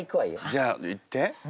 じゃあいって。